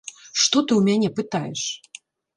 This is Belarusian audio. Што ты ў мяне пытаеш?